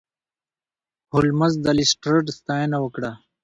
هولمز د لیسټرډ ستاینه وکړه.